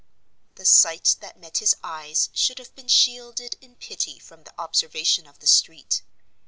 The sight that met his eyes should have been shielded in pity from the observation of the street.